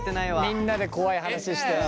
みんなで怖い話して。